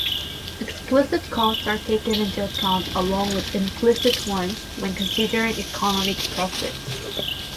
Explicit costs are taken into account along with implicit ones when considering economic profit.